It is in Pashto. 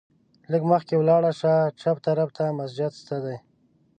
لږ مخکې ولاړ شه، چپ طرف ته مسجد شته دی.